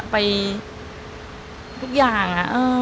ไปทุกอย่าง